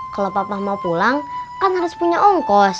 kalau papa mau pulang kan harus punya ongkos